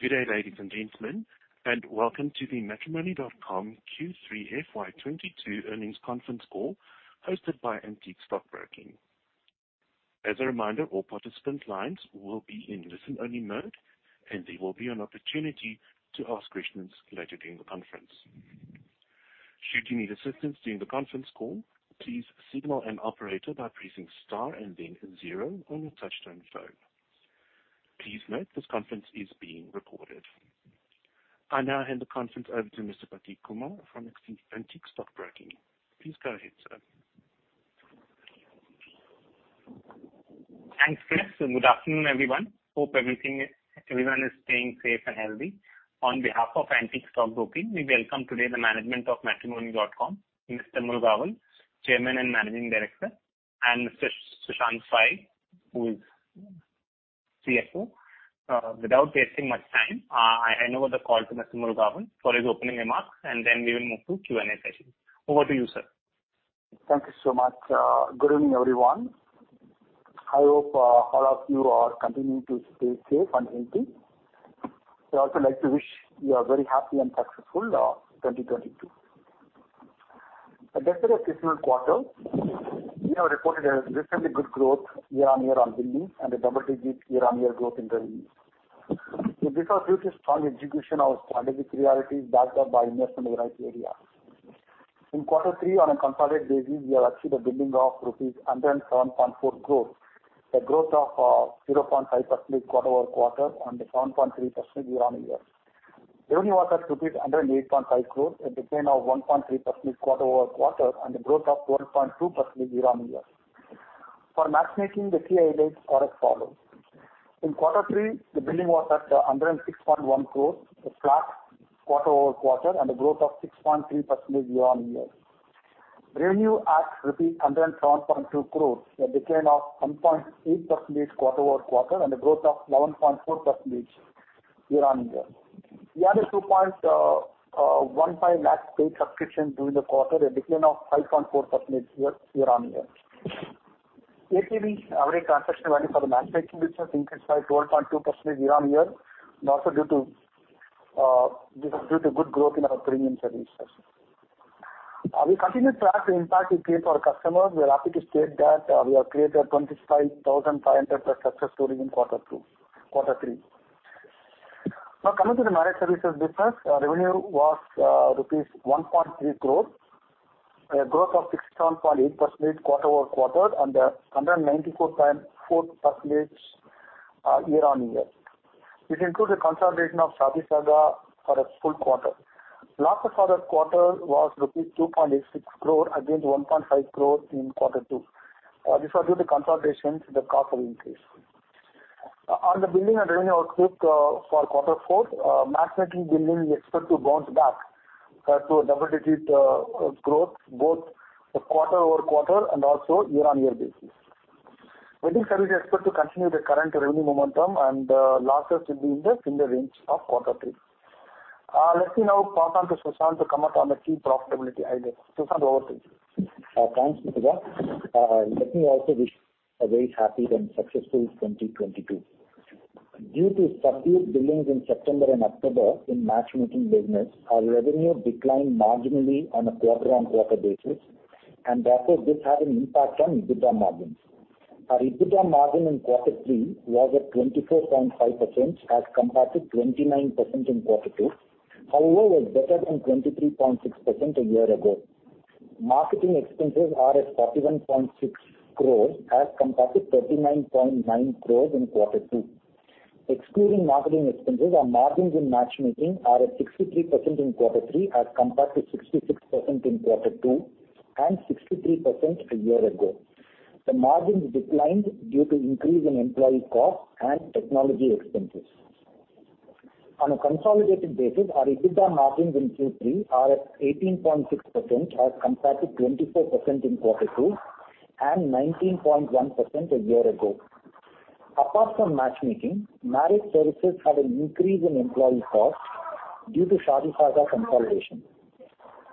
Good day, ladies and gentlemen, and welcome to the Matrimony.com Q3 FY 2022 earnings conference call hosted by Antique Stock Broking. As a reminder, all participant lines will be in listen-only mode, and there will be an opportunity to ask questions later during the conference. Should you need assistance during the conference call, please signal an operator by pressing Star and then zero on your touchtone phone. Please note, this conference is being recorded. I now hand the conference over to Mr. Prateek Kumar from Antique Stock Broking. Please go ahead, sir. Thanks, Chris, and good afternoon, everyone. Hope everyone is staying safe and healthy. On behalf of Antique Stock Broking, we welcome today the management of Matrimony.com, Mr. Murugavel Janakiraman, Chairman and Managing Director, and Mr. Sushanth Pai, who is CFO. Without wasting much time, I hand over the call to Mr. Murugavel Janakiraman for his opening remarks, and then we will move to Q&A session. Over to you, sir. Thank you so much. Good evening, everyone. I hope all of you are continuing to stay safe and healthy. I'd also like to wish you a very happy and successful 2022. In a better seasonal quarter, we have reported a reasonably good growth year-on-year on billing and a double-digit year-on-year growth in revenues. This was due to strong execution of strategic priorities backed up by investment in the right areas. In quarter three on a consolidated basis, we have achieved a billing of 107.4 crores, a growth of 0.5% quarter-over-quarter and a 7.3% year-on-year. Revenue was at 108.5 crores rupees, a decline of 1.3% quarter-over-quarter and a growth of 12.2% year-on-year. For matchmaking, the key highlights are as follows. In quarter three, the billing was at 106.1 crores, a flat quarter-over-quarter and a growth of 6.3% year-on-year. Revenue at 107.2 crores, a decline of 1.8% quarter-over-quarter and a growth of 11.4% year-on-year. We added 2.15 lakh paid subscriptions during the quarter, a decline of 5.4% year-on-year. ATV, Average Transaction Value, for the matchmaking business increased by 12.2% year-on-year, and also due to this is due to good growth in our premium services. We continue to track the impact we create for our customers. We are happy to state that we have created 25,500+ success stories in quarter three. Now, coming to the marriage services business, our revenue was rupees 1.3 crore, a growth of 6.8% quarter-over-quarter and 194.4% year-on-year. This includes the consolidation of ShaadiSaga for a full quarter. Losses for the quarter was rupees 2.86 crore against 1.5 crore in quarter two. This was due to consolidations, the cost will increase. On the billing and revenue outlook for quarter four, matchmaking billing we expect to bounce back to a double-digit growth, both the quarter-over-quarter and also year-on-year basis. Wedding services expect to continue the current revenue momentum and losses will be in the similar range of quarter three. Let me now pass on to Sushanth to comment on the key profitability highlights. Sushanth, over to you. Thanks, Murugavel Janakiraman. Let me also wish a very happy and successful 2022. Due to subdued billings in September and October in matchmaking business, our revenue declined marginally on a quarter-on-quarter basis. Therefore, this had an impact on EBITDA margins. Our EBITDA margin in quarter three was at 24.5% as compared to 29% in quarter two, however, was better than 23.6% a year ago. Marketing expenses are at 41.6 crores as compared to 39.9 crores in quarter two. Excluding marketing expenses, our margins in matchmaking are at 63% in quarter three as compared to 66% in quarter two and 63% a year ago. The margins declined due to increase in employee costs and technology expenses. On a consolidated basis, our EBITDA margins in Q3 are at 18.6% as compared to 24% in quarter two and 19.1% a year ago. Apart from matchmaking, marriage services have an increase in employee costs due to ShaadiSaga consolidation.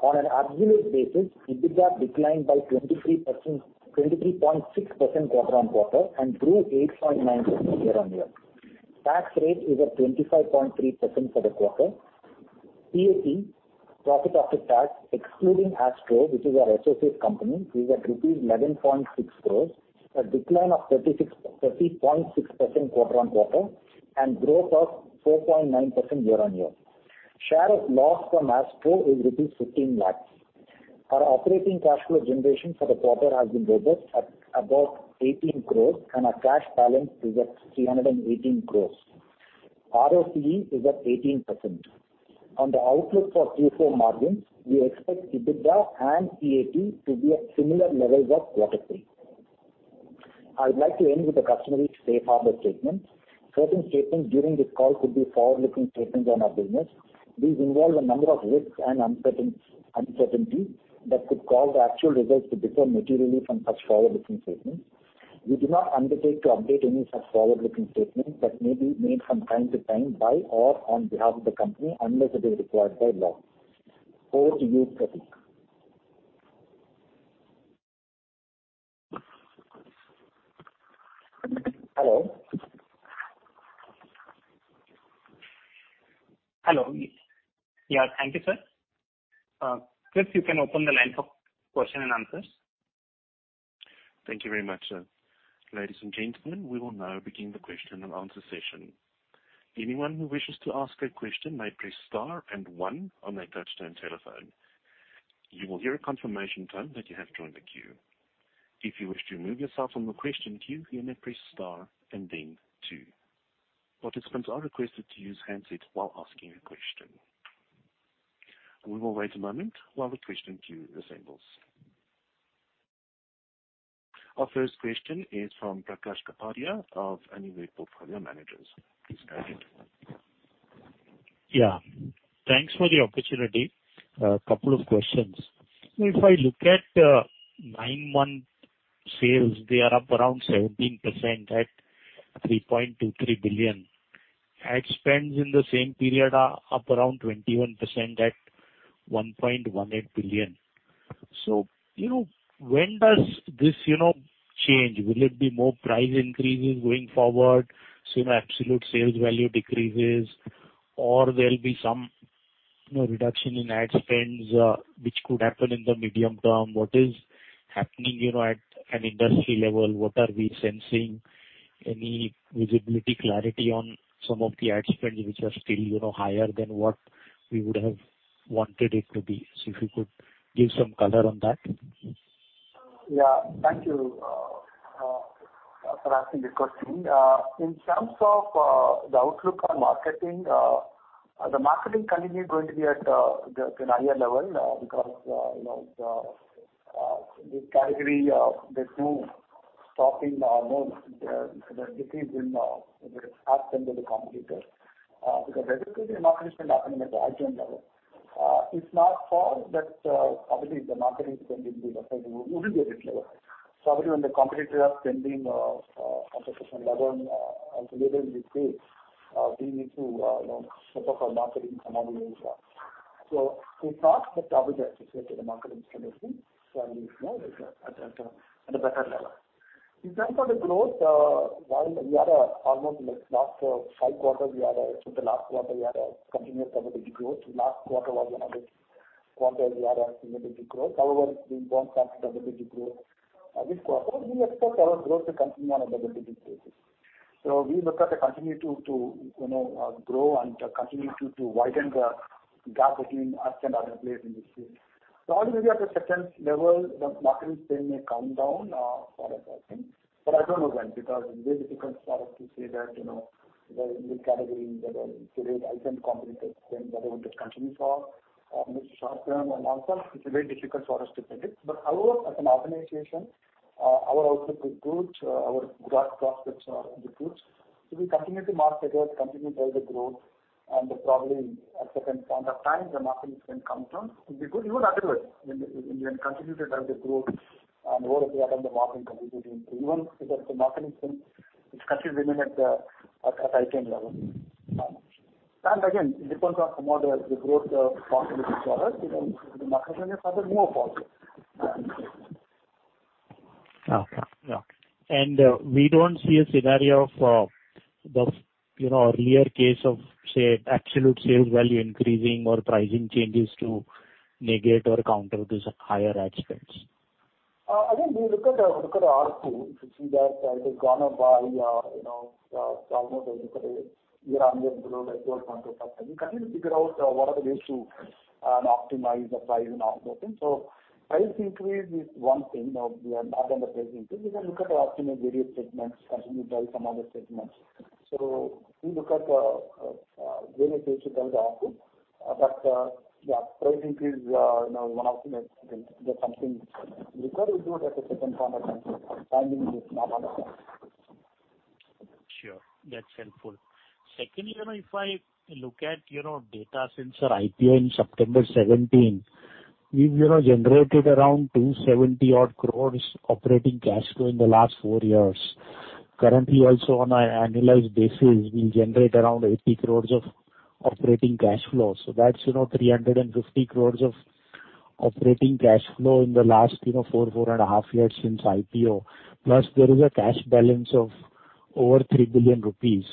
On an absolute basis, EBITDA declined by 23.6% quarter-on-quarter and grew 8.9% year-on-year. Tax rate is at 25.3% for the quarter. PAT, profit after tax, excluding Astro, which is our associate company, is at rupees 11.6 crores, a decline of 30.6% quarter-on-quarter and growth of 4.9% year-on-year. Share of loss from Astro is rupees 15 lakhs. Our operating cash flow generation for the quarter has been robust at above 18 crores, and our cash balance is at 318 crores. ROCE is at 18%. On the outlook for Q4 margins, we expect EBITDA and PAT to be at similar levels of quarter three. I'd like to end with the customary safe harbor statement. Certain statements during this call could be forward-looking statements on our business. These involve a number of risks and uncertainty that could cause the actual results to differ materially from such forward-looking statements. We do not undertake to update any such forward-looking statements that may be made from time to time by or on behalf of the company unless it is required by law. Over to you, Prateek. Hello? Hello. Yeah, thank you, sir. Please, you can open the line for question and answers. Thank you very much, sir. Ladies and gentlemen, we will now begin the question and answer session. Anyone who wishes to ask a question may press Star and one on their touchtone telephone. You will hear a confirmation tone that you have joined the queue. If you wish to remove yourself from the question queue, you may press Star and then two. Participants are requested to use handsets while asking a question. We will wait a moment while the question queue assembles. Our first question is from Prakash Kapadia of Anived Portfolio Managers. Please go ahead. Yeah. Thanks for the opportunity. A couple of questions. If I look at nine month sales, they are up around 17% at 3.23 billion. Ad spends in the same period are up around 21% at 1.18 billion. You know, when does this, you know, change? Will it be more price increases going forward, so absolute sales value decreases, or there'll be some, you know, reduction in ad spends, which could happen in the medium term? What is happening, you know, at an industry level? What are we sensing? Any visibility, clarity on some of the ad spends which are still, you know, higher than what we would have wanted it to be. If you could give some color on that. Yeah. Thank you for asking the question. In terms of the outlook on marketing, the marketing continue going to be at a higher level, because you know, the category, there's no stopping or no decrease in the ad spend of the competitor, because historically marketing spend happening at the high teen level. It's not for that, probably the marketing spend is good, but it will be a bit lower. When the competitor are spending on certain level and related with this, we need to you know, step up our marketing spending as well. It's not that obvious associated to marketing spend, I think. I think you know, it's at a better level. In terms of the growth, while we are almost like last five quarters, including last quarter, we had a continuous double-digit growth. Last quarter was another quarter we had a double-digit growth. However, it's been born from double-digit growth. This quarter we expect our growth to continue on a double-digit basis. We look to continue to you know grow and continue to widen the gap between us and other players in this space. Always we have a certain level. The marketing spend may come down for a while, but I don't know when, because it's very difficult for us to say that, you know, the category in general, period, high-teen competitive spend, whether it will continue for short-term and long-term, it's very difficult for us to predict. However, as an organization, our outlook is good. Our growth prospects are good. We continue to market it, continue to drive the growth and probably at a certain point of time the marketing spend comes down. It'll be good even otherwise when we have continued to drive the growth and overall we have on the marketing contributing to even if the marketing spend is continuing at the high teen level. And again, it depends on how the growth possibilities for us, even the marketing spend is further more positive. Okay. Yeah. We don't see a scenario of, the, you know, earlier case of, say, absolute sales value increasing or pricing changes to negate or counter this higher ad spends. Again, we look at ARPU to see that it has gone up by, you know, almost like year-on-year growth at 4.2%. We continue to figure out what are the ways to optimize the price and all those things. Price increase is one thing. Now we are not underpricing it. We can look at the optimal various segments, continue to drive some other segments. We look at various ways to build the ARPU. Yeah, price increase, you know, one ultimate thing that something we probably do it at a certain point of time. Timing is not on us. Sure. That's helpful. Secondly, you know, if I look at, you know, data since our IPO in September 2017, we've, you know, generated around 270-odd crore operating cash flow in the last FOUR years. Currently, also on an annualized basis, we generate around 80 crore of operating cash flow. That's, you know, 350 crore of operating cash flow in the last, you know, 4.5 years since IPO. There is a cash balance of over 3 billion rupees.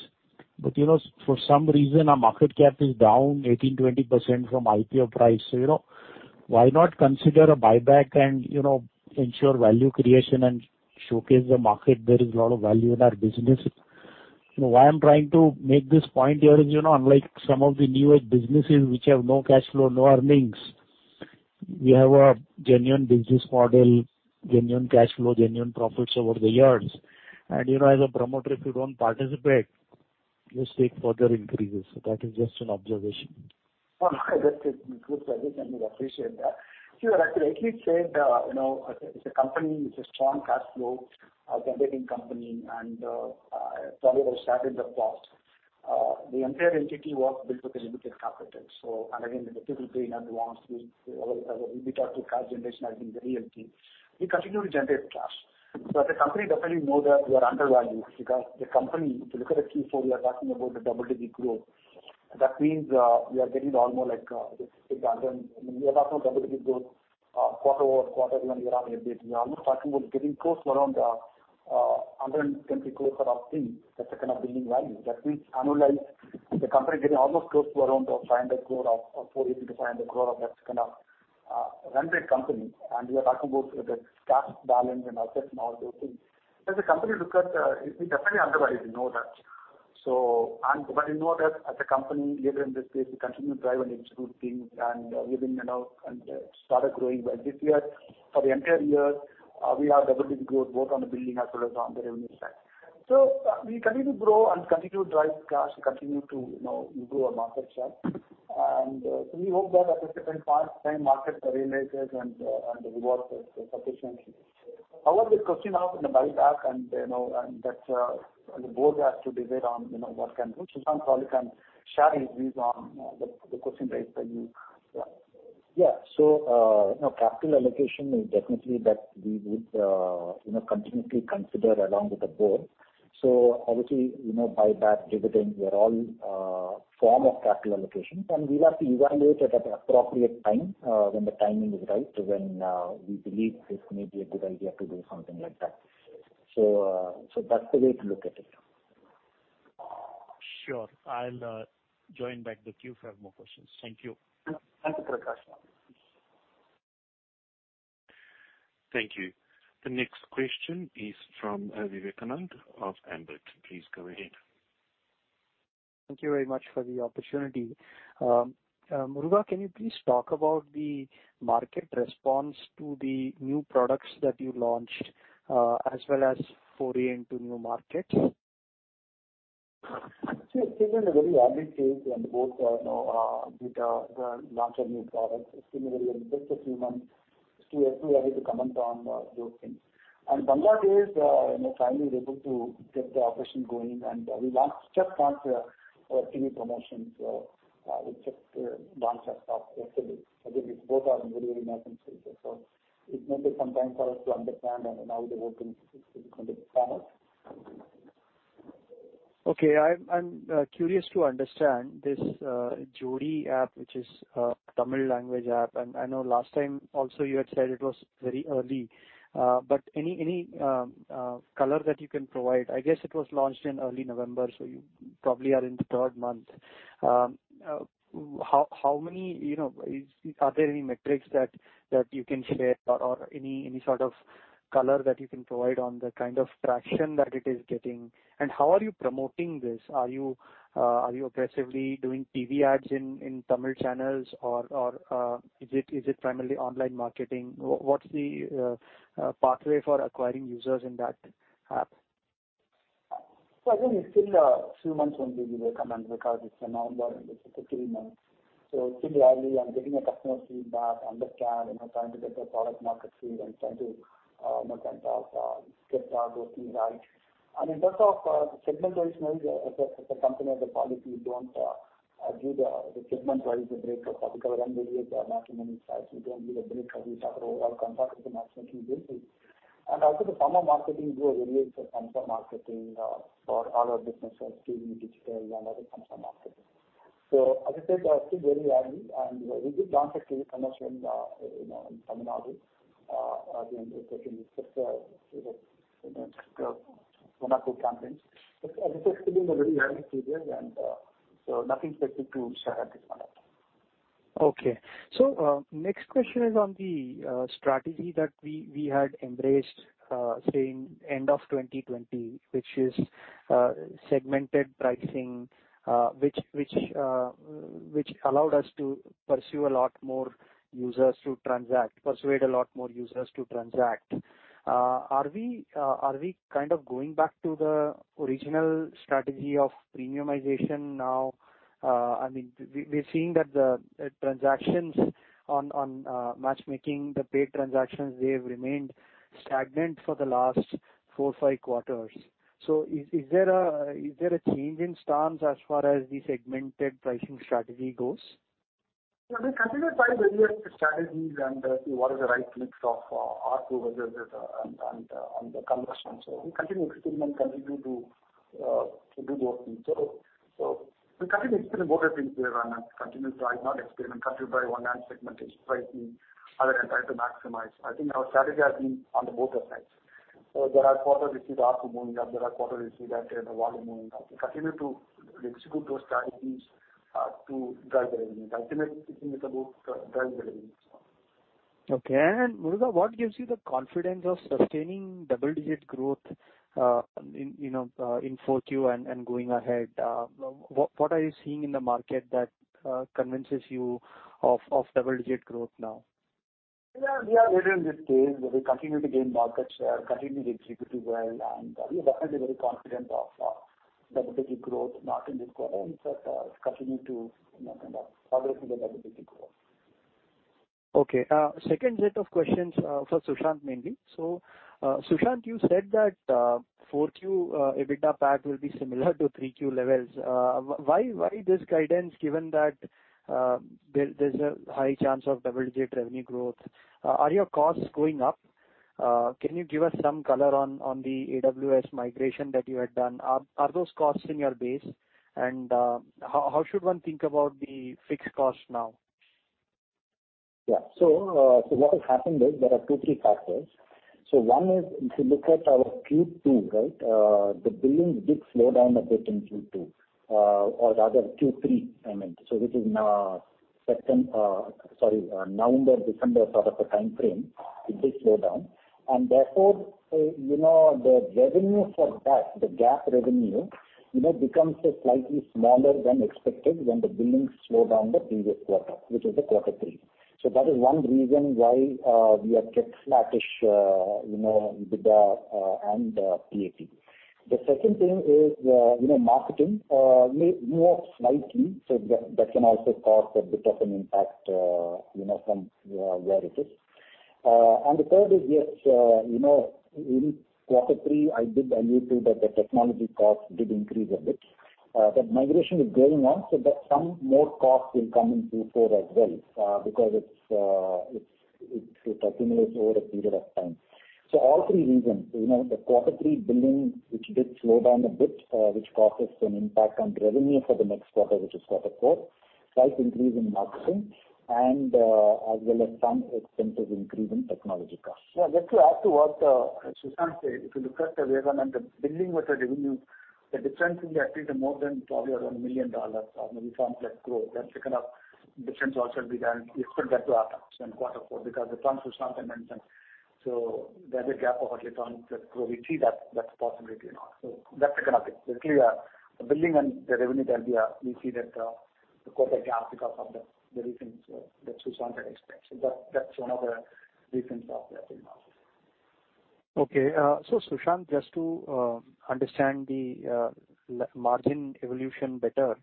For some reason our market cap is down 18%-20% from IPO price. Why not consider a buyback and, you know, ensure value creation and showcase the market? There is a lot of value in our business. You know, why I'm trying to make this point here is, you know, unlike some of the newer businesses which have no cash flow, no earnings, we have a genuine business model, genuine cash flow, genuine profits over the years. And you know, as a promoter, if you don't participate, you stake further increases. That is just an observation. That is a good suggestion. We appreciate that. See, you're absolutely right, you said, you know, it's a company with a strong cash flow generating company. Probably was stated in the past. The entire entity was built with the limited capital. Again, our EBITDA to cash generation has been very healthy. We continue to generate cash. The company definitely know that we are undervalued because the company, if you look at the Q4, we are talking about the double-digit growth. That means, we are getting all more like quarter-over-quarter year-on-year update. We are almost talking about getting close to around 120 crores or high-teen%, that's the kind of building value. That means annualize the company getting almost close to around 480-500 crore of that kind of run rate company. We are talking about the cash balance and assets and all those things. As a company, we look at, we definitely underwrite, we know that. You know that as a company, leader in this space, we continue to drive and execute things, and we've been, you know, started growing. This year, for the entire year, we have double-digit growth both on the billing as well as on the revenue side. We continue to grow and continue to drive cash, continue to, you know, grow our market share. We hope that at a certain point in time, the market realizes and rewards us sufficiently. However, the question now on the buyback and that the board has to decide on, you know, what can do. Sushanth probably can share his views on the question raised by you, yeah. Capital allocation is definitely that we would continuously consider along with the board. Obviously, you know, buyback dividend, they're all form of capital allocation. We'll have to evaluate at the appropriate time, when the timing is right, when we believe this may be a good idea to do something like that. That's the way to look at it. Sure. I'll join back the queue for more questions. Thank you. Thank you, Prakash. Thank you. The next question is from Vivekanand of Ambit. Please go ahead. Thank you very much for the opportunity. Muruga, can you please talk about the market response to the new products that you launched, as well as foray into new markets? Actually, it is in a very early stage, and both are now with the launch of new products. Similarly, in just a few months, it's too early to comment on those things. Bangladesh is, you know, finally able to get the operation going, and we just launched our TV promotion. We just launched our stuff yesterday. I think both are in very, very nascent stages. It may take some time for us to understand and how they work and going to pan out. Okay. I'm curious to understand this Jodii app, which is a Tamil language app. I know last time also you had said it was very early. But any color that you can provide? I guess it was launched in early November, so you probably are in the third month. How many, you know, are there any metrics that you can share or any sort of color that you can provide on the kind of traction that it is getting? How are you promoting this? Are you aggressively doing TV ads in Tamil channels or is it primarily online marketing? What's the pathway for acquiring users in that app? I think it's still a few months only we will comment because it's a November and it's a three month. It's still early. I'm getting customer feedback, understand, you know, trying to get the product market fit and trying to, you know, kind of, get that working right. In terms of the segment-wise mix, as a company, as a policy, we don't do the segment-wise breakup because everyone varies the matchmaking size. We don't give a breakup. We talk about overall contract of the matchmaking business. Also the form of marketing do vary for consumer marketing for all our businesses, TV, digital and other consumer marketing. As I said, still very early, and we did launch a TV commercial in, you know, in Tamil Nadu. Again, it's just you know one or two campaigns. As I said, it's still in a very early stages and so nothing specific to share at this point. Okay. Next question is on the strategy that we had embraced, say in end of 2020, which is segmented pricing, which allowed us to pursue a lot more users to transact, persuade a lot more users to transact. Are we kind of going back to the original strategy of premiumization now? I mean, we're seeing that the transactions on matchmaking, the paid transactions, they've remained stagnant for the last four to five quarters. Is there a change in stance as far as the segmented pricing strategy goes? We consider trying various strategies and see what is the right mix of ARPU versus volume and the conversion. We continue to experiment, continue to do those things. We continue to experiment both the things we run and continue to try. Continue to try on one hand segmented pricing, on other hand try to maximize. I think our strategy has been on both sides. There are quarters which we see ARPU moving up, there are quarters we see that the volume moving up. We continue to execute those strategies to drive the revenue. Ultimately, I think it's about drive the revenue. Okay. Muruga, what gives you the confidence of sustaining double-digit growth, in, you know, in Q4 and going ahead? What are you seeing in the market that convinces you of double-digit growth now? Yeah. We are later in this stage where we continue to gain market share, continue to execute it well, and we are definitely very confident of double-digit growth, not in this quarter, but continue to, you know, kind of always in the double-digit growth. Okay. Second set of questions for Sushanth mainly. Sushanth, you said that 4Q EBITDA PAT will be similar to Q3 levels. Why this guidance, given that there's a high chance of double-digit revenue growth? Are your costs going up? Can you give us some color on the AWS migration that you had done? Are those costs in your base? How should one think about the fixed costs now? Yeah. What has happened is there are two, three factors. One is if you look at our Q2, right, the billings did slow down a bit in Q2. Or rather Q3, I meant. This is now second, sorry, November, December sort of a timeframe, it did slow down. Therefore, you know, the revenue for that, the GAAP revenue, you know, becomes slightly smaller than expected when the billings slow down the previous quarter, which is the quarter three. That is one reason why we have kept flattish, you know, EBITDA and PAT. The second thing is, you know, marketing may move slightly, that can also cause a bit of an impact, you know, from where it is. The third is, yes, you know, in quarter three, I did allude to that the technology costs did increase a bit. That migration is going on, so that some more costs will come in Q4 as well, because it accumulates over a period of time. All three reasons, you know, the quarter three billing, which did slow down a bit, which causes some impact on revenue for the next quarter, which is quarter four. Slight increase in marketing and as well as some extensive increase in technology costs. Yeah, just to add to what Sushanth said, if you look at the revenue and the billing with the revenue, the difference will be I think more than probably around $1 million or maybe some plus growth. That's taken up. The difference also will be then we expect that to happen in quarter four because the trends Sushanth had mentioned. There's a gap of at least on the growth. We see that's a possibility or not. That's the kind of thing. Basically, the billing and the revenue can be, we see that, the quarter gap because of the reasons that Sushanth had explained. That, that's one of the reasons of that in markets. Sushanth, just to understand the margin evolution better,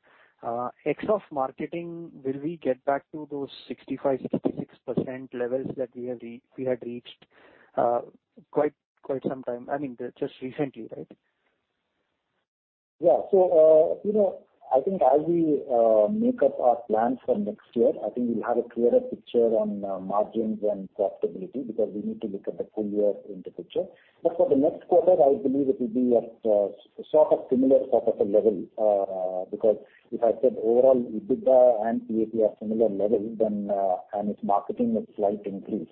ex of marketing, will we get back to those 65%-66% levels that we had reached quite some time, I mean, just recently, right? Yeah. You know, I think as we make up our plans for next year, I think we'll have a clearer picture on margins and profitability because we need to look at the full-year into picture. For the next quarter, I believe it will be at sort of similar sort of a level because if I said overall EBITDA and PAT are similar levels, then and it's marketing a slight increase,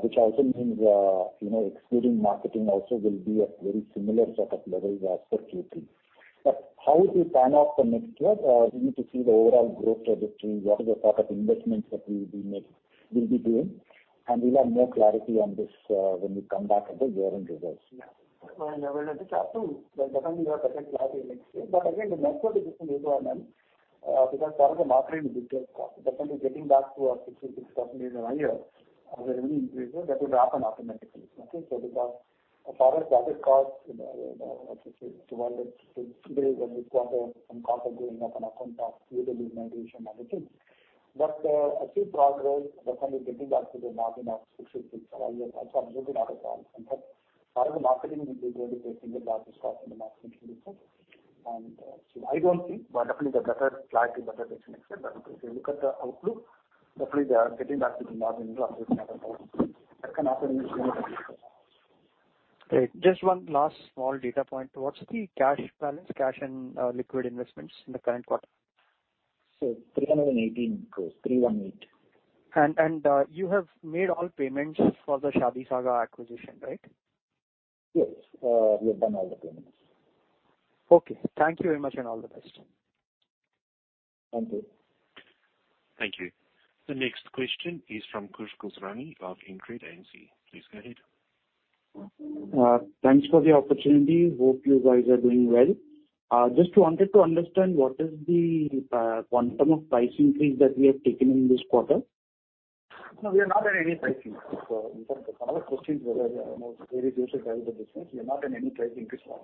which also means you know, excluding marketing also will be at very similar sort of levels as for Q3. How we plan out for next year, we need to see the overall growth trajectory, what is the sort of investments that we'll be doing, and we'll have more clarity on this when we come back with the year-end results. I wanted just to add to that. Definitely we have better clarity next year. Again, the next quarter is also M because part of the marketing digital cost definitely getting back to our 66% or higher revenue increase, that would happen automatically. Because as far as that is cost, you know, let's just say INR 260 million this quarter and cost of doing business up front usually migration and other things. I think progress definitely getting back to the margin of 66% or higher is absolutely not a problem. In fact, part of the marketing will be really the single largest cost in the marketing business. I don't think. Definitely the better clarity next year. If you look at the outlook, definitely they are getting back to the margin of 66% and above. That can happen in June of next year. Great. Just one last small data point. What's the cash balance, cash and liquid investments in the current quarter? 318 crores. You have made all payments for the ShaadiSaga acquisition, right? Yes. We have done all the payments. Okay. Thank you very much, and all the best. Thank you. Thank you. The next question is from Kush Kuzrani of Inga Capital. Please go ahead. Thanks for the opportunity. Hope you guys are doing well. Just wanted to understand what is the quantum of price increase that we have taken in this quarter? No, we are not at any price increase. In fact, some of the questions were, you know, very close to drive the business. We are not in any price increase for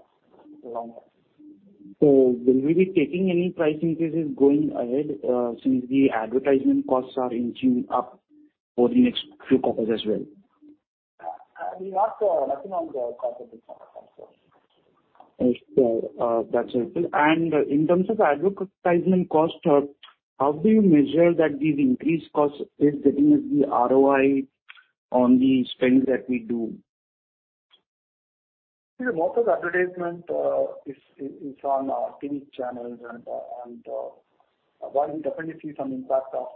long, long time. Will we be taking any price increases going ahead, since the advertisement costs are inching up for the next few quarters as well? We are not, nothing on the price increase on that front. Okay. That's helpful. In terms of advertisement cost, how do you measure that these increased costs is giving us the ROI on the spend that we do? See, most of the advertisement is on TV channels and while we definitely see some impact of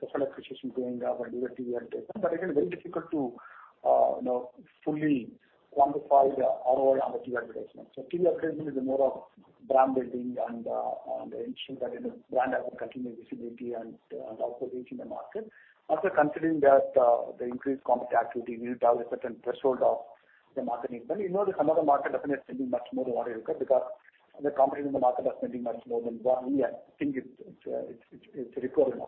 social aspiration going up and doing TV advertisement, again, very difficult to you know fully quantify the ROI on the TV advertisement. TV advertisement is more of brand building and ensuring that you know brand has a continued visibility and also reach in the market. Also considering that the increased competitive activity, we need to have a certain threshold of the marketing spend. You know that some of the market definitely spending much more than what we look at because the competition in the market are spending much more than what we are thinking it's required in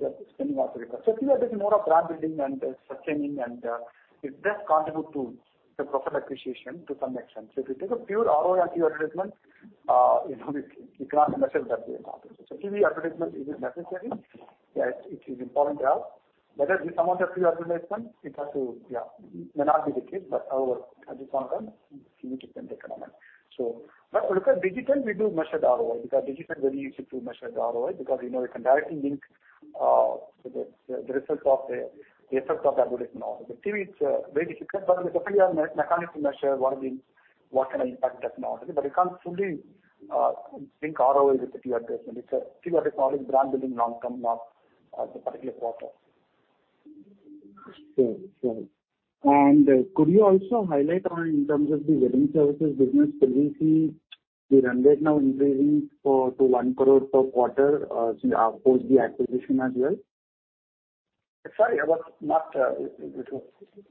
the market. Sometimes shift the spending also required. TV is more of brand building and sustaining and, it does contribute to the social appreciation to some extent. If you take a pure ROI on TV advertisement, you know you cannot measure that way at all. TV advertisement is necessary. Yeah, it is important to have. Whether some of the free advertisement, it has to, may not be the case, but however, as a quantum, we need to spend a fair amount. Look at digital, we do measure the ROI because digital very easy to measure the ROI because you know the direct link, the result of the effect of the algorithm also. The TV is very difficult, but we definitely have mechanical measure what is being, what can impact technology. You can't fully think ROI with the TV advertisement. It's a. TV advertisement is brand building long-term, not the particular quarter. Sure, sure. Could you also highlight on in terms of the wedding services business, will we see the run rate now increasing to 1 crore per quarter post the acquisition as well? Sorry, I was not.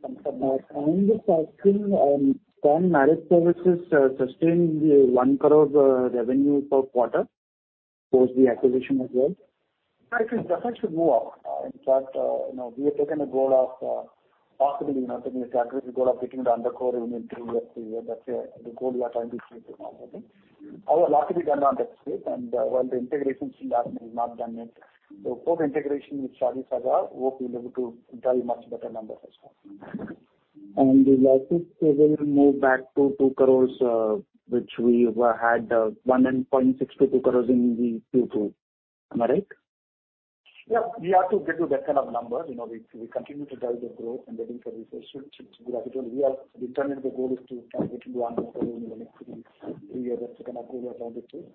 I'm just asking, can marriage services sustain the 1 crore revenue per quarter post the acquisition as well? I think it's definitely move up. In fact, you know, we have taken a goal of possibly, you know, taking a target, the goal of taking it to INR 1 crore in 3 years period. That's the goal we are trying to achieve at the moment. Our work will be done on that space and, while the integration still happening is not done yet. Post integration with ShaadiSaga, hope we'll be able to drive much better numbers as well. You likely will move back to 2 crore, which we had, 1.62 crore in the 2022. Am I right? Yeah. We have to get to that kind of numbers. We continue to drive the growth and wedding services should be profitable. We determined the goal is to try and get to INR 1 crore in the next three years. That's kind of goal we are trying to achieve.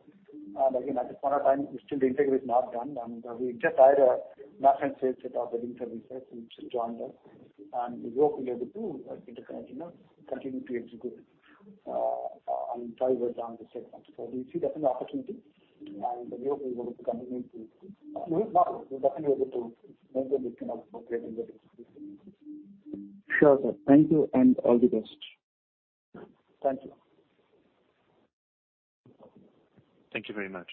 Again, at this point of time, still the integration is not done and we just hired a marketing sales head of wedding services who just joined us. We hope we'll be able to continue to execute and drive in the space. We see definite opportunity and we hope we're going to continue to. We'll definitely be able to make the necessary upgrade in the. Sure, sir. Thank you and all the best. Thank you. Thank you very much.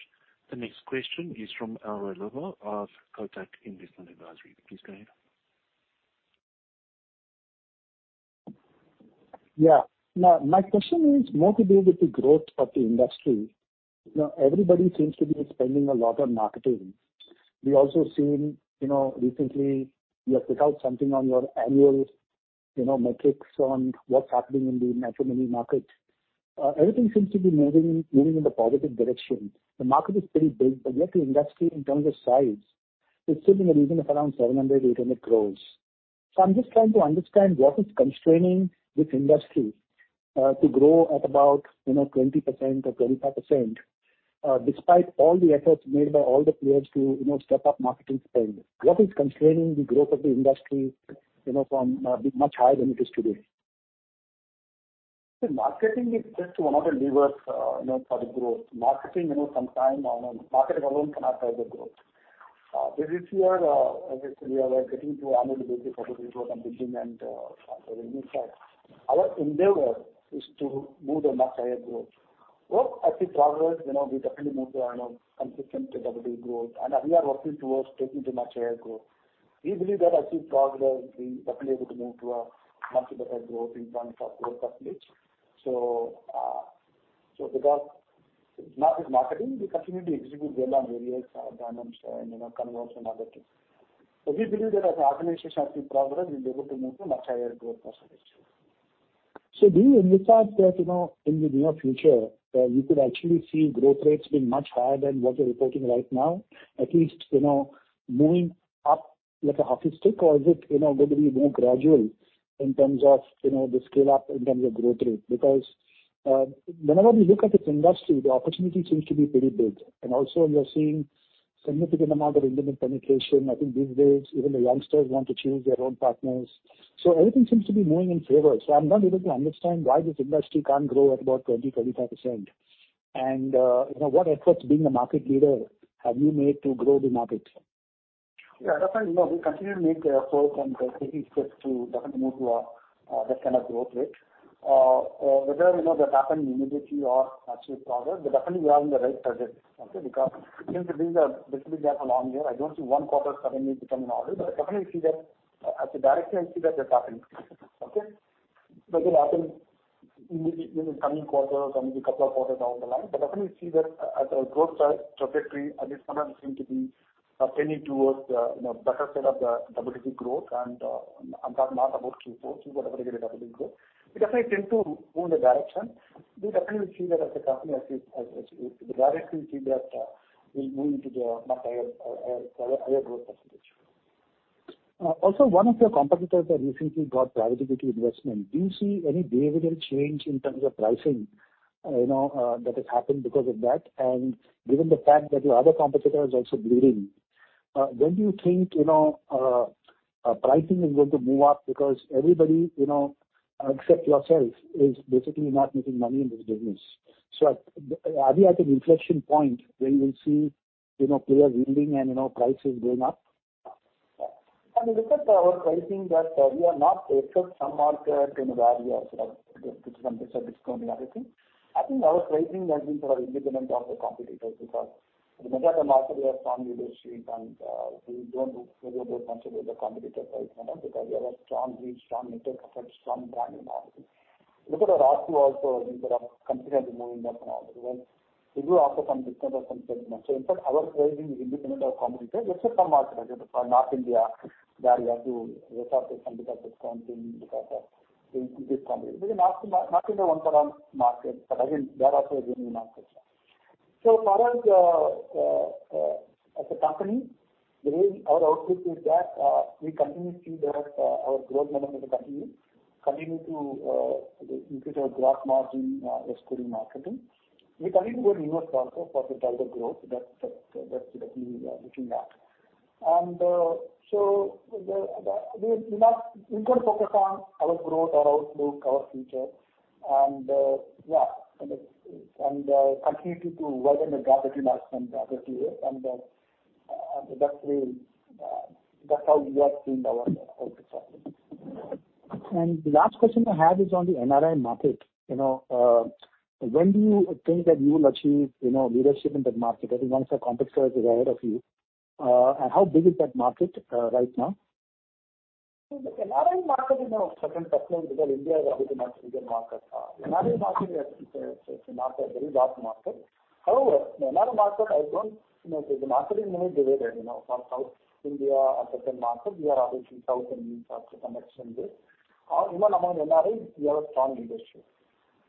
The next question is from Aravind of Kotak Investment Advisory. Please go ahead. Yeah. Now, my question is more to do with the growth of the industry. You know, everybody seems to be spending a lot on marketing. We've also seen, you know, recently you have put out something on your annual, you know, metrics on what's happening in the matrimony market. Everything seems to be moving in the positive direction. The market is pretty big, but yet the industry in terms of size is sitting in the region of around 700 crores- 800 crores. So I'm just trying to understand what is constraining this industry to grow at about, you know, 20% or 25%, despite all the efforts made by all the players to, you know, step up marketing spend. What is constraining the growth of the industry, you know, from being much higher than it is today? The marketing is just one of the levers, you know, for the growth. Marketing, you know, I mean, marketing alone cannot drive the growth. This is where, basically we are getting to 100 basis points of growth and building and, for the new side. Our endeavor is to move to much higher growth. Well, I see progress. You know, we definitely move to, you know, consistently double the growth, and we are working towards taking to much higher growth. We believe that as we progress, we'll definitely be able to move to a much better growth in terms of growth percentage. So because not just marketing, we continue to execute well on various, brands and, you know, conversions and other things. So we believe that as the organization as we progress, we'll be able to move to much higher growth percentage. Do you anticipate that, you know, in the near future, you could actually see growth rates being much higher than what you're reporting right now, at least, you know, moving up like a hockey stick? Or is it, you know, going to be more gradual in terms of, you know, the scale up in terms of growth rate? Because, whenever we look at this industry, the opportunity seems to be pretty big. Also we are seeing significant amount of internet penetration. I think these days even the youngsters want to choose their own partners. Everything seems to be moving in favor. I'm not able to understand why this industry can't grow at about 20%-25%. You know, what efforts being the market leader have you made to grow the market? Yeah, definitely. You know, we continue to focus and taking steps to definitely move to a that kind of growth rate. Whether, you know, that happens immediately or actual progress, but definitely we are in the right trajectory. Okay. Because the business basically we have a long way, I don't see one quarter suddenly becoming an outlier. We definitely see that. As a director, I see that that's happening. Okay. It happens maybe in the coming quarter or maybe couple of quarters down the line. We definitely see that as a growth trajectory, at least somehow we seem to be trending towards the, you know, better side of the double-digit growth. I'm talking not about Q4. We've got a very good double-digit growth. We definitely tend to move in the direction. We definitely see that as a company, I see. The director will see that, we'll move into the much higher growth percentage. Also one of your competitors that recently got private equity investment, do you see any behavioral change in terms of pricing, you know, that has happened because of that? Given the fact that your other competitor is also bleeding, when do you think, you know, pricing is going to move up? Because everybody, you know, except yourself is basically not making money in this business. Are we at an inflection point where you will see, you know, players yielding and, you know, prices going up? When we look at our pricing that, we are not except some market, you know, where we are sort of give some discount and everything. I think our pricing has been sort of independent of the competitors because in the major market we have strong leadership and we don't really worry much about the competitor pricing because we have a strong reach, strong interface, strong brand and everything. Look at our R2 also, I mean, sort of continuously moving up and all. Well, we do offer some discount or some salesman. In fact our pricing is independent of competitors except some market like for North India, where we have to resort to some type of discounting because of the increased competition. In North India, one sort of market, but again there are players in North India. For us, as a company, the way our outlook is that we continue to see that our growth momentum will continue to increase our gross margin, excluding marketing. We continue to grow revenue also for the target growth. That's definitely looking at. We're gonna focus on our growth, our outlook, our future and yeah. Continue to widen the gross margin throughout the year. That's really how we are seeing our outlook going. The last question I have is on the NRI market. You know, when do you think that you will achieve, you know, leadership in that market as one of your competitors is ahead of you? How big is that market, right now? The NRI market is not a separate market because India is a multi-region market. NRI market is a market, a very large market. However, NRI market. You know, the market is very divided, you know. For South India and certain markets, we are already South Indians have connections with. Even among NRIs, we have a strong leadership.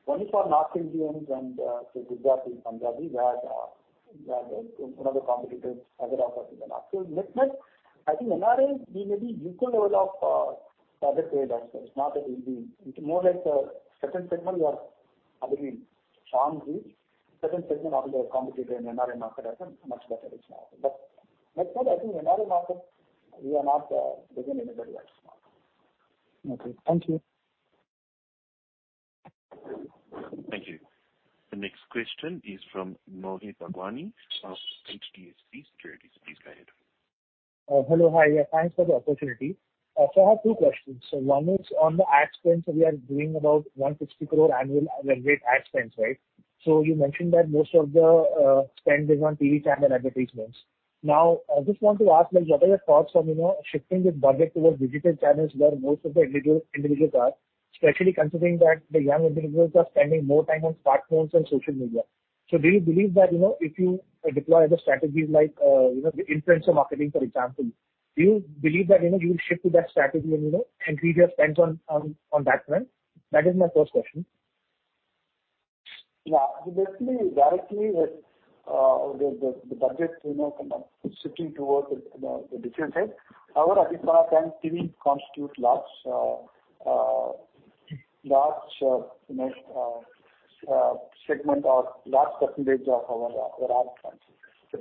Only for North Indians and, say, Gujarati, Punjabi, we had one of the competitors has an offer in the north. Net-net, I think NRIs, we may be equal level of market share there. It's not that we'll be. It's more like a certain segment we are, I believe, strong in. Certain segment of the competitor in NRI market has a much better reach now. Net-net, I think NRI market, we are not behind anybody right now. Okay, thank you. Thank you. The next question is from Mohit Bhagwani of HDFC Securities. Please go ahead. Hello. Hi. Yeah, thanks for the opportunity. I have two questions. One is on the ad spends. We are doing about 160 crore annual run rate ad spends, right? You mentioned that most of the spend is on TV channel advertisements. Now, I just want to ask, like, what are your thoughts on, you know, shifting this budget towards digital channels where most of the individuals are, especially considering that the young individuals are spending more time on smartphones and social media. Do you believe that, you know, if you deploy other strategies like, you know, influencer marketing, for example, do you believe that, you know, you will shift to that strategy and, you know, increase your spends on that front? That is my first question. Yeah. Basically, directly with the budget, you know, kind of shifting towards the digital side. However, at this point of time, TV constitutes large segment or large percentage of our ad spends.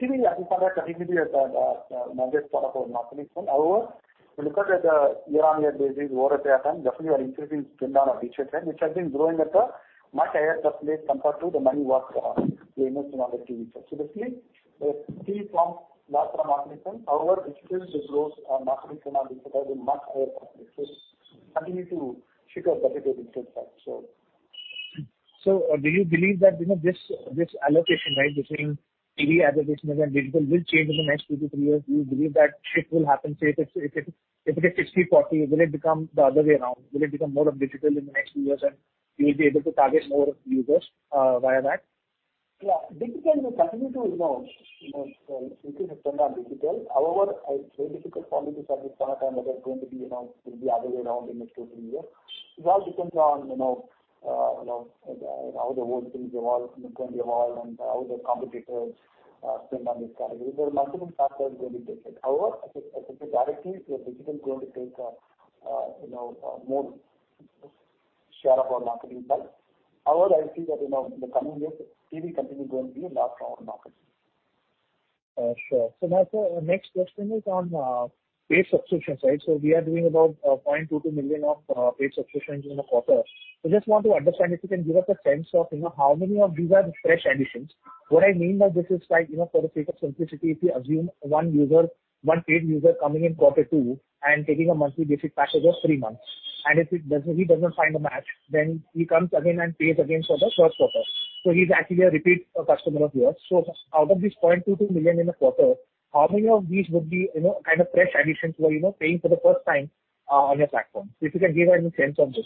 TV, I think for that category, is the largest part of our marketing spend. However, when you look at it, year-on-year basis, quarter-by-quarter, definitely we are increasing spend on our digital side, which has been growing at a much higher percentage compared to the money we are spending, you know, on the TV side. Basically, the TV forms larger marketing spend. However, digital is a growth marketing channel which has a much higher percentage. We continue to shift our budget to digital side. Do you believe that, you know, this allocation, right, between TV advertisements and digital will change in the next two to three years? Do you believe that shift will happen? Say if it is 60/40, will it become the other way around? Will it become more of digital in the next few years, and you'll be able to target more users via that? Yeah. Digital, we continue to, you know, increase the spend on digital. However, it's very difficult for me to say at this point of time whether it's going to be, you know, it'll be other way around in the next two, three years. It all depends on, you know, how the whole thing going to evolve and how the competitors spend on this category. There are multiple factors going to take it. However, I think directly the digital is going to take, you know, more share of our marketing spend. However, I see that, you know, in the coming years, TV continue going to be a large part of marketing. Sure. Now, sir, next question is on paid subscriptions, right? We are doing about 0.22 million paid subscriptions in a quarter. Just want to understand if you can give us a sense of, you know, how many of these are fresh additions. What I mean by this is like, you know, for the sake of simplicity, if you assume one paid user coming in quarter two and taking a monthly basic package of three months, and if he doesn't find a match, then he comes again and pays again for the first quarter. He's actually a repeat customer of yours. Out of this 0.22 million in a quarter, how many of these would be, you know, kind of fresh additions who are, you know, paying for the first time on your platform? If you can give a sense on this.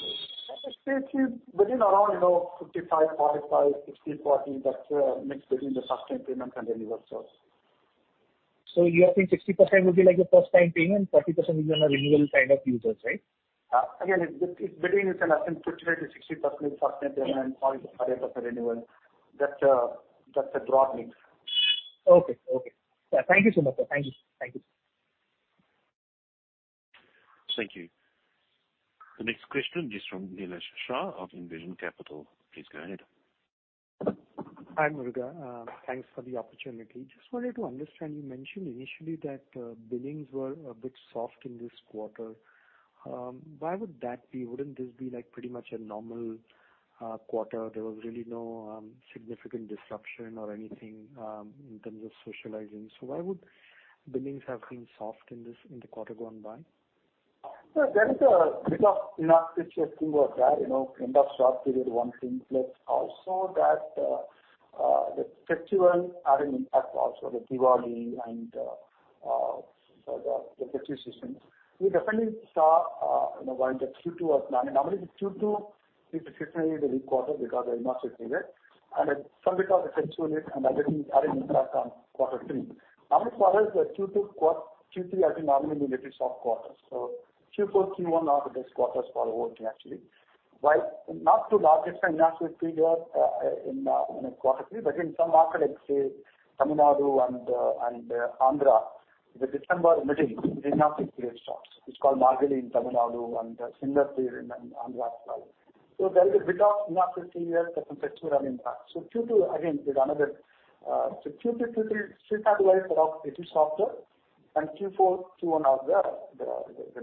I would say it is within around, you know, 55%-45%, 60%-40%. That's mix between the first-time payments and the renewals, so. You are saying 60% would be like a first time payment, 40% will be on a renewal side of users, right? Again, it's between. You can assume 50%-60% is first time payment, 40%-45% renewal. That's a broad mix. Okay. Yeah. Thank you so much, sir. Thank you. Thank you. The next question is from Nilesh Shah of Envision Capital. Please go ahead. Hi, Muruga. Thanks for the opportunity. Just wanted to understand, you mentioned initially that billings were a bit soft in this quarter. Why would that be? Wouldn't this be like pretty much a normal quarter? There was really no significant disruption or anything in terms of socializing. Why would billings have been soft in this, in the quarter gone by? There is a bit of inertia thing over there. You know, end of short period one thing. Plus also that, the festivals are impacting also, the Diwali and the festive season. We definitely saw, you know, while the Q2 was. I mean, normally the Q2 is traditionally the weak quarter because there is inertia period, and it's somewhat because of the festival and that is having impact on quarter three. Normally for us, the Q2, Q3, I think, normally will get the soft quarters. Q4, Q1 are the best quarters for us working actually. While not too large a financial figure in a quarterly, but in some markets like, say, Tamil Nadu and Andhra, the December month is enough to create stocks. It's called Margazhi in Tamil Nadu and similarly in Andhra as well. There is a bit of enough material that can actually run impact. Q2, again, is another Q3, still categorized, but obviously softer. Q4, Q1 of the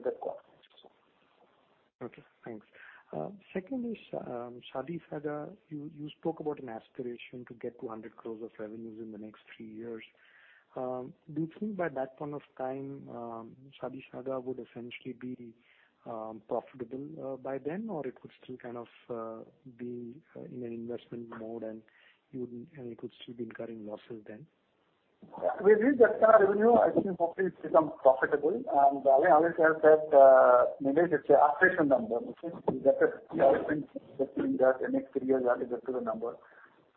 next quarter. Okay, thanks. Second is ShaadiSaga. You spoke about an aspiration to get to 100 crores of revenues in the next three years. Do you think by that point of time, ShaadiSaga would essentially be profitable by then? Or it could still kind of be in an investment mode and it could still be incurring losses then? We reach that kind of revenue, I think hopefully it's become profitable. I always have said, maybe it's an aspiration number, which is we get a three-year frame between that and next three years we have to get to the number.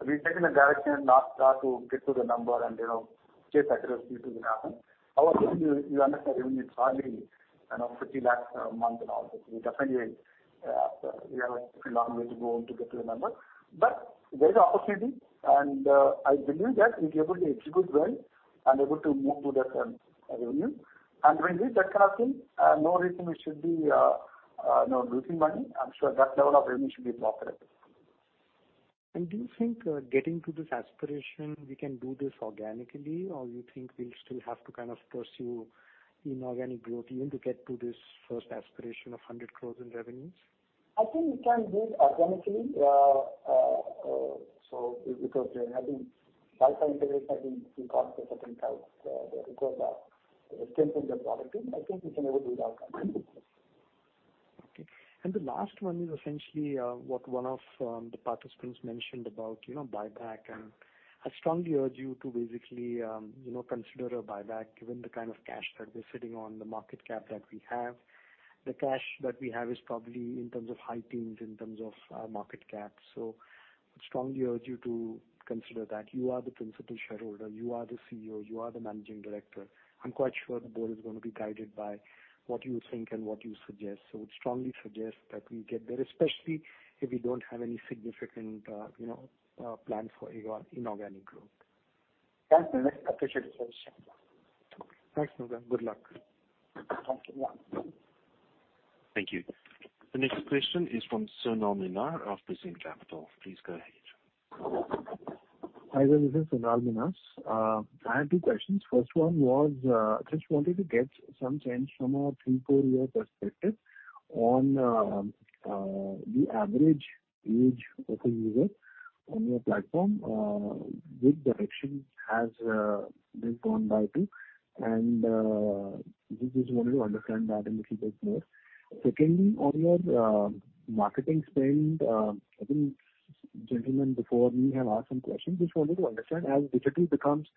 We've taken a direction not start to get to the number and, you know, chase aggressively to the number. However, you understand the revenue is finally, you know, 50 lakhs a month and all. We definitely have a long way to go to get to the number. There's opportunity, and I believe that we'll be able to execute well and able to move to that revenue. When we reach that kind of thing, no reason we should be, you know, losing money. I'm sure that level of revenue should be profitable. Do you think, getting to this aspiration, we can do this organically? Or you think we'll still have to kind of pursue inorganic growth even to get to this first aspiration of 100 crores in revenues? I think we can do it organically. Because I think lifestyle integration, I think we got a certain type because strength in the product. I think we can able to do that organically. Okay. The last one is essentially what one of the participants mentioned about, you know, buyback. I strongly urge you to basically, you know, consider a buyback given the kind of cash that we're sitting on, the market cap that we have. The cash that we have is probably in terms of high teens, in terms of market cap. I strongly urge you to consider that. You are the principal shareholder, you are the CEO, you are the Managing Director. I'm quite sure the board is gonna be guided by what you think and what you suggest. I would strongly suggest that we get there, especially if we don't have any significant, you know, plans for inorganic growth. Thanks, Nilesh. Appreciate it. Thanks, Muruga. Good luck. Thank you. Thank you. The next question is from Sonal Minhas of Prescient Capital. Please go ahead. Hi there, this is Sonal Minhas. I have two questions. First one was just wanted to get some sense from a three, four year perspective on the average age of a user on your platform, which direction has this gone by two? Just wanted to understand that a little bit more. Secondly, on your marketing spend, I think gentlemen before me have asked some questions. Just wanted to understand, as digital becomes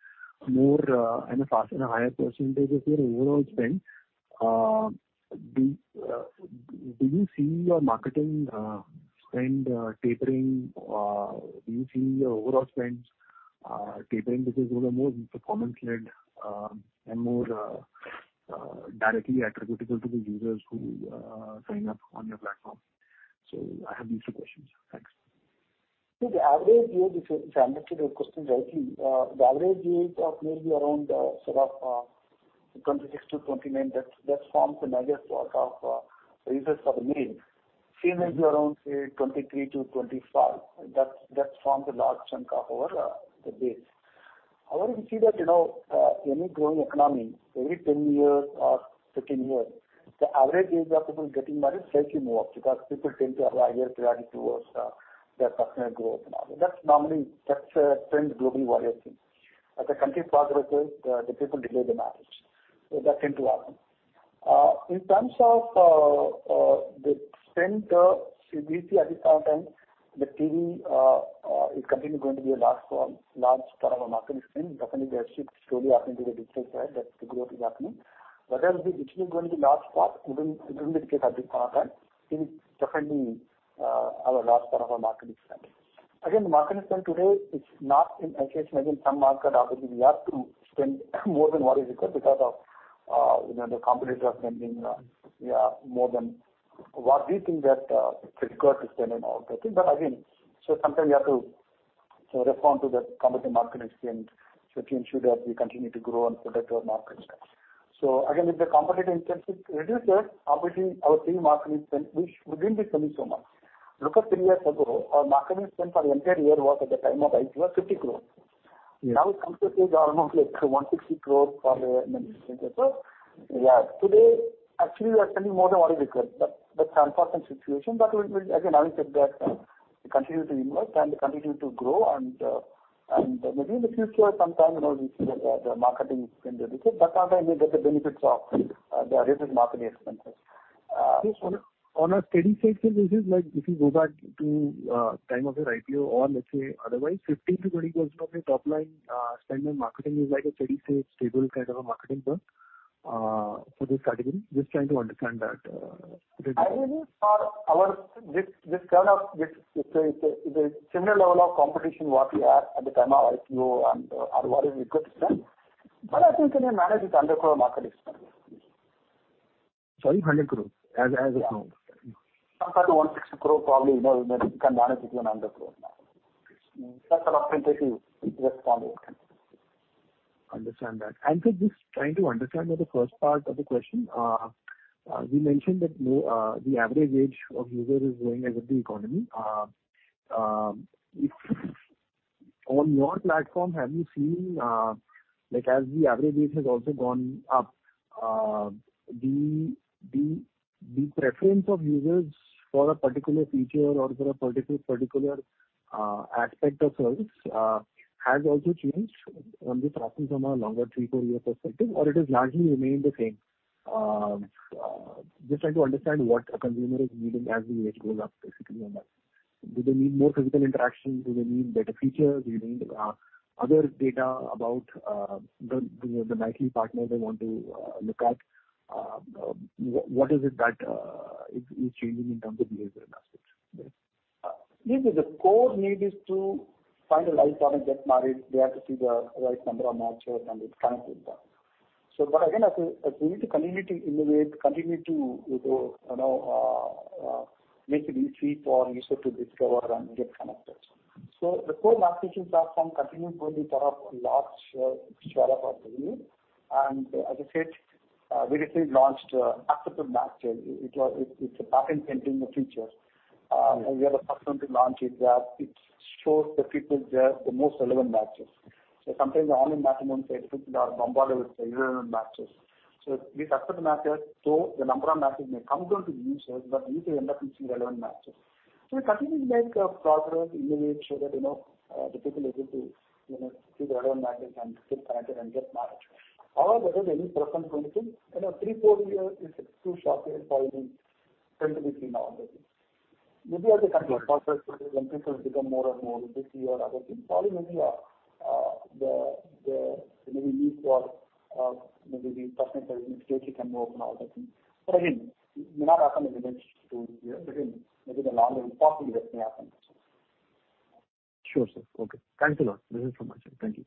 more and faster and a higher percentage of your overall spend, do you see your marketing spend tapering? Do you see your overall spends tapering because those are more performance-led and more directly attributable to the users who sign up on your platform? I have these two questions. Thanks. The average age, if I understood your question rightly, the average age of maybe around, sort of, 26-29, that forms the largest block of male users. Females around, say, 23-25, that forms a large chunk of our base. However, we see that, you know, any growing economy, every 10 years or 15 years, the average age of people getting married slightly move up because people tend to have a higher priority towards their personal growth now. That's normally a trend globally, widely seen. As the country progresses, the people delay their marriage. That seems to happen. In terms of the spend, CAC at this point in time, the TV is currently going to be a large part of our marketing spend. Definitely, there should slowly happen to the digital side. That's where the growth is happening. Whether it is going to be a large part, even in the case of this point in time, it is definitely a large part of our marketing spend. Again, the marketing spend today, it's not in isolation. Again, some market opportunity we have to spend more than what is required because of, you know, the competitors are spending more than what we think that is required to spend in our category. Sometimes we have to, you know, respond to the competitive marketing spend so to ensure that we continue to grow and protect our market share. If the competitive intensity reduces, obviously our marketing spend, which wouldn't be spending so much. Look at three years ago, our marketing spend for entire year was at the time of IPO, 50 crore. Yeah. Now it comes to, say, around like 160 crores for many years. Yeah, today, actually we are spending more than what is required. That's unfortunate situation. We, again, I will check that we continue to invest and we continue to grow and maybe in the future sometime, you know, we see that the marketing spend reduces. That time we get the benefits of the reduced marketing expenses. On a steady state basis, like if you go back to time of your IPO or let's say otherwise, 15%-20% of your top line spend on marketing is like a steady state, stable kind of a marketing spend for this category. Just trying to understand that steady state. I think this kind of it's a similar level of competition what we had at the time of IPO and or what is required to spend. I think we can manage it under crore marketing spend. Sorry, 100 crore as of now. Yeah. 160 crore probably, you know, maybe can manage it to 100 crore now. That's an opportunity we respond with. understand that. Just trying to understand the first part of the question. You mentioned that now the average age of user is going up with the economy. If on your platform, have you seen, like, as the average age has also gone up, the preference of users for a particular feature or for a particular aspect of service has also changed, or has this happened from a longer three- or four-year perspective, or it has largely remained the same? Just trying to understand what a consumer is needing as the age goes up, basically on that. Do they need more physical interaction? Do they need better features? Do they need other data about the matrimonial partner they want to look at? What is it that is changing in terms of behavior and aspects? Usually the core need is to find the right partner, get married. They have to see the right number of matches, and it's trying to do that. As we need to continue to innovate, continue to you know make it easy for user to discover and get connected. The core matchmaking platform continues to be sort of large share of our revenue. As I said, we recently launched Acceptable Matches. It's a patent-pending feature. We are the first one to launch it that it shows the people there the most relevant matches. Sometimes the online match among say people in Mumbai with irrelevant matches. With Acceptable Matches, the number of matches may come down to the users, but user end up seeing relevant matches. We continue to make progress, innovate, so that you know the people are able to you know see the relevant matches and get connected and get married. However, there isn't any preference going to change. You know, three, four year is too short a time frame trend to be seen now on this. Maybe as a country progresses, when people become more and more busy or other things, probably the need for the personal services, which we can work on all those things. Again, it may not happen in the next two years. In maybe the longer term possibly that may happen. Sure, sir. Okay. Thanks a lot. This is from Anshul. Thank you.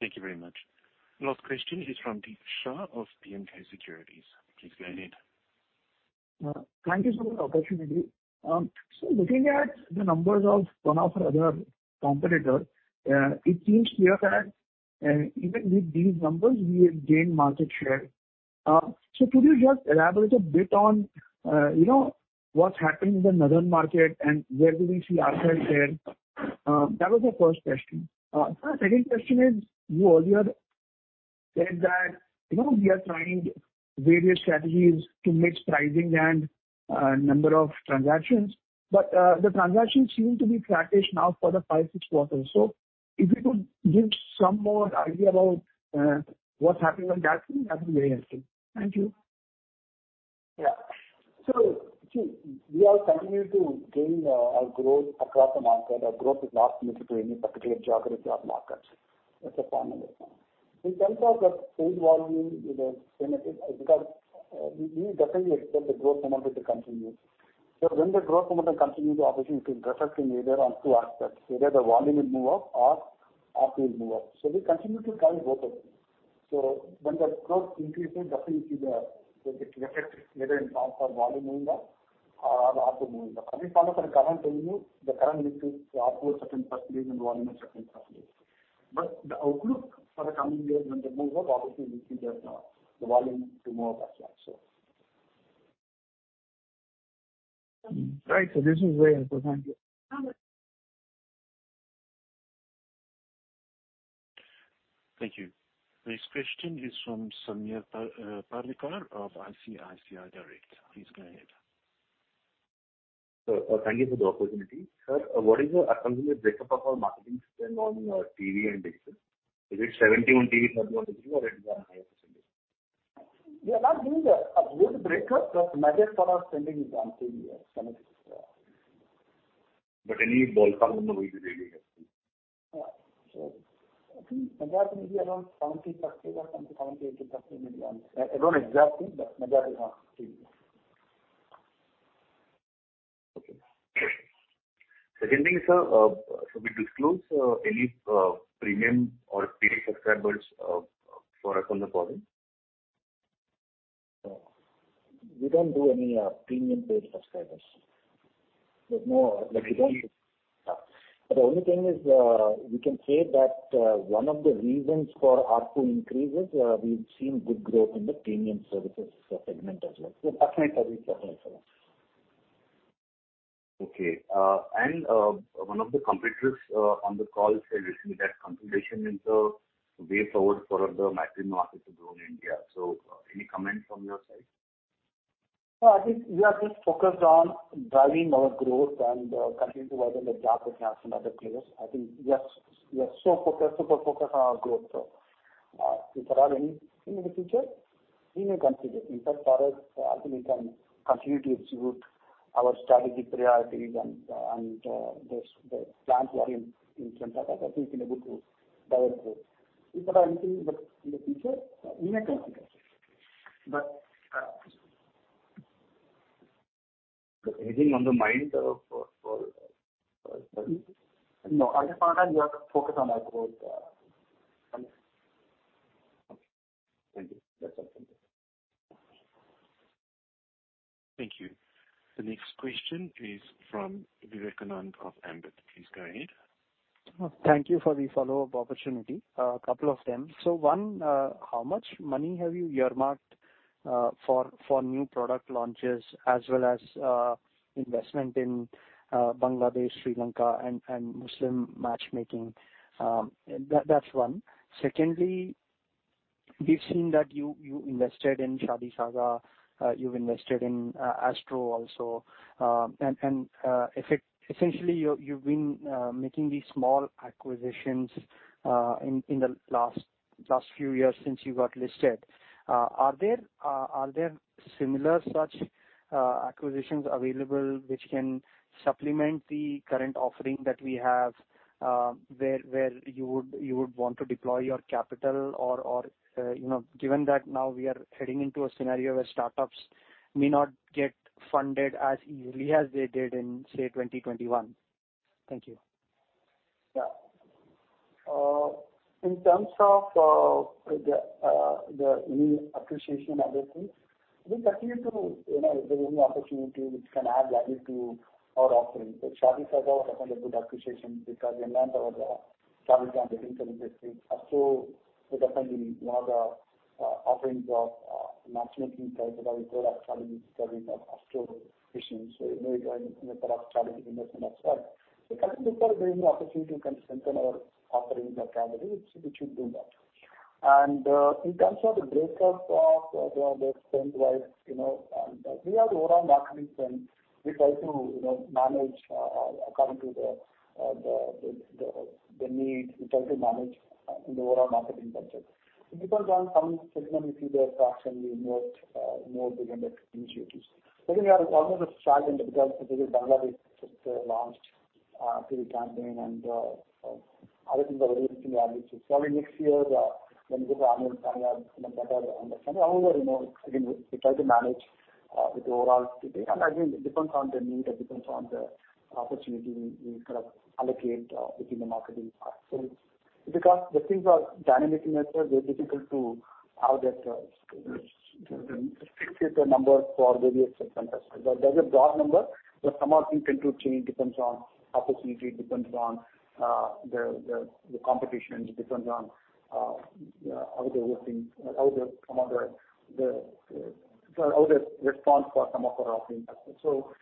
Thank you very much. Last question is from Deep Shah of B&K Securities. Please go ahead. Thank you for the opportunity. Looking at the numbers of one of our other competitor, it seems clear that, even with these numbers, we have gained market share. Could you just elaborate a bit on, you know, what's happening in the northern market and where do we see our share there? That was the first question. Second question is, you earlier said that, you know, we are trying various strategies to mix pricing and, number of transactions, but, the transactions seem to be flattish now for the five, six quarters. If you could give some more idea about, what's happening on that front, that'll be very helpful. Thank you. Yeah. See, we are continuing to gain our growth across the market. Our growth is not limited to any particular geography of markets. That's a fundamental point. In terms of the paid volume, you know, because we definitely expect the growth momentum to continue. When the growth momentum continues, obviously it will reflect in either on two aspects. Either the volume will move up or ARPU will move up. We continue to drive both of them. When the growth increases, definitely see the effect either in form for volume moving up or ARPU moving up. At this point of time, currently telling you the current mix is ARPU is certain percentage and volume is certain percentage. But the outlook for the coming years when the move up, obviously we see there's now the volume to move up as well. Right. This is very helpful. Thank you. Thank you. Next question is from Sameer Pardikar of ICICIdirect. Please go ahead. Sir, thank you for the opportunity. Sir, what is your accumulated breakup of our marketing spend on TV and digital? Is it 70% on TV, 30% on digital, or is it higher percentage? We are not giving a good breakup. Majority of our spending is on TV, yes, 70%. Any ballpark number will be really helpful. I think majority maybe around 70% or 70%-80%. I don't know exactly, but majority on TV. Okay. Second thing, sir. We disclose any premium or paid subscribers for us on the call? No. We don't do any premium paid subscribers. There's no- Like any- The only thing is, we can say that one of the reasons for ARPU increases, we've seen good growth in the premium services segment as well. That's why it covers up also. Okay. One of the competitors on the call said recently that consolidation is a way forward for the matrimony market to grow in India. Any comment from your side? No, I think we are just focused on driving our growth and continuing to widen the gap with some other players. I think we are so focused, super focused on our growth. If at all anything in the future, we may consider. In fact, for us, I think we can continue to execute our strategic priorities and the plans we have in front of us. I think we'll be able to drive growth. If at all anything but in the future, we may consider. Anything on the mind for 2022? No, I just wanna tell you we are focused on our growth. Okay. Thank you. That's all from me. Thank you. The next question is from Vivekanand of Ambit. Please go ahead. Thank you for the follow-up opportunity. One, how much money have you earmarked for new product launches as well as investment in Bangladesh, Sri Lanka, and Muslim matchmaking? That's one. Secondly, we've seen that you invested in ShaadiSaga, you've invested in MatchAstro also. Essentially, you've been making these small acquisitions in the last few years since you got listed. Are there similar such acquisitions available which can supplement the current offering that we have, where you would want to deploy your capital or, you know, given that now we are heading into a scenario where startups may not get funded as easily as they did in 2021? Thank you. Yeah. In terms of the new acquisition, obviously, we continue to, you know, evaluate any opportunity which can add value to our offering. The ShaadiSaga was a kind of good acquisition because we enhanced our travel plan within ShaadiSaga. MatchAstro was definitely one of the offerings of matchmaking services that we could actually study the astro visions. You know, it was a sort of strategic investment as well. I think if there is any opportunity we can strengthen our offerings or category, we should do that. In terms of the breakup of, you know, the expense-wise, you know, we have the overall marketing spend. We try to, you know, manage according to the need. We try to manage in the overall marketing budget. It depends on some segment we see the traction, we invest more behind that initiatives. We are almost struggling because, you know, Bangladesh just launched TV campaign, and other things are very recently added. Probably next year, when we do the annual planning, have some better understanding. However, you know, again, we try to manage with the overall spend. Again, it depends on the need, it depends on the opportunity we kind of allocate within the marketing budget. Because the things are dynamic in nature, very difficult to have that specific number for various segment as such. There's a broad number, but some of the things do change. Depends on opportunity, depends on the competition, depends on how the whole thing, how some of the. How's the response for some of our offerings as well.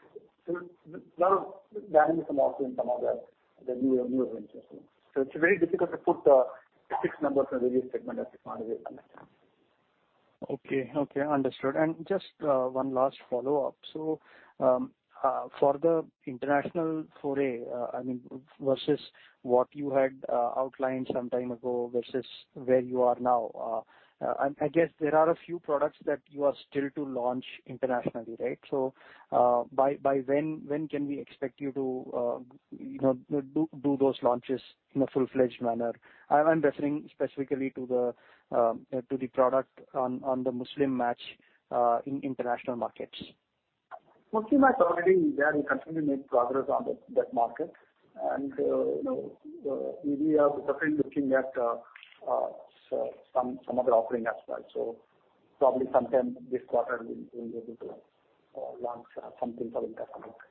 It's a lot of dynamism also in some of the new ventures. It's very difficult to put a specific number for various segment at this point of time. Okay, understood. Just one last follow-up. For the international foray, I mean, versus what you had outlined some time ago versus where you are now, I guess there are a few products that you are still to launch internationally, right? By when can we expect you to you know do those launches in a full-fledged manner? I'm referring specifically to the product on the MuslimMatrimony in international markets. MuslimMatrimony. Already we are continuing to make progress on that market. You know, we are definitely looking at some other offering as well. Probably sometime this quarter we'll be able to launch something for international market.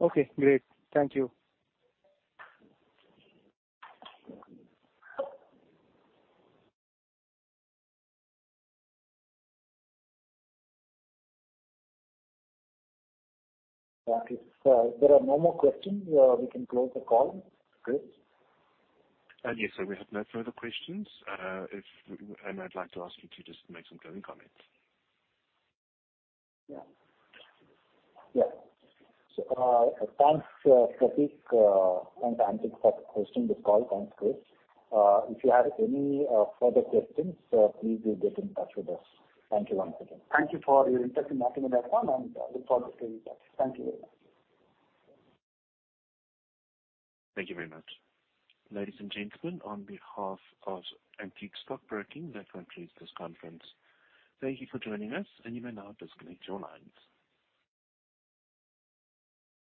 Okay, great. Thank you. Okay. If there are no more questions, we can close the call. Great. Yes, sir, we have no further questions. I'd like to ask you to just make some closing comments. Thanks, Prateek, and Antique Stock Broking for hosting this call. Thanks, Chris. If you have any further questions, please do get in touch with us. Thank you once again. Thank you for your interest in matrimony.com, and we look forward to seeing you back. Thank you very much. Thank you very much. Ladies and gentlemen, on behalf of Antique Stock Broking, that concludes this conference. Thank you for joining us, and you may now disconnect your lines.